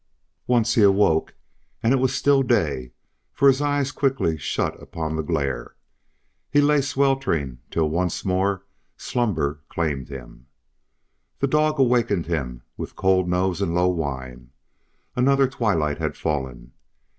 Once he awoke and it was still day, for his eyes quickly shut upon the glare. He lay sweltering till once more slumber claimed him. The dog awakened him, with cold nose and low whine. Another twilight had fallen.